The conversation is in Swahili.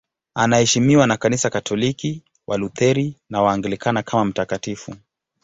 Anaheshimiwa na Kanisa Katoliki, Walutheri na Waanglikana kama mtakatifu.